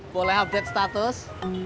boleh update status